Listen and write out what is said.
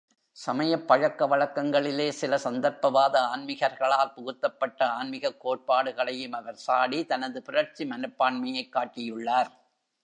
சமயப் பழக்கவழக்கங்களிலே சில சந்தர்ப்பவாத ஆன்மிகர்களால் புகுத்தப்பட்ட ஆன்மிகக் கோட்பாடுகளையும் அவர் சாடி தனது புரட்சி மனப்பான்மையைக் காட்டியுள்ளார்.